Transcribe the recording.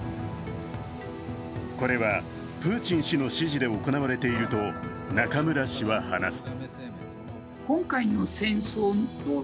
これはプーチン氏の指示で行われていると中村氏は話す。